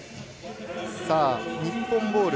日本ボール。